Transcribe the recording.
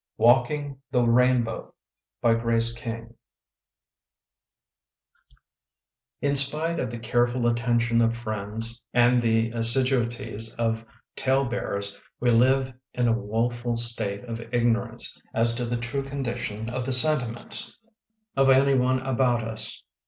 WALKING THE RAINBOW IN spite of the careful attention of friends and the assiduities of talebearers, we live in a woeful state of ignorance as to the true condition of the sentiments of any one about us.